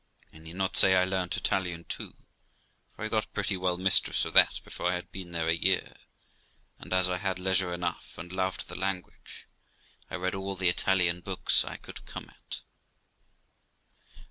I need not say I learnt Italian too, for I got pretty well mistress of that before I had been there a year; and as I had leisure enough and loved the language, I read all the Italian books I could come at.